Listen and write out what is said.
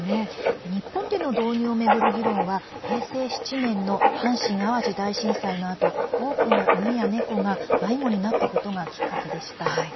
日本での導入を巡る議論は平成７年の阪神・淡路大震災のあと多くの犬や猫が迷子になったことがきっかけでした。